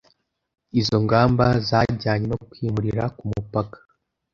Izo ngamba zajyanye no kwimurira ku mupaka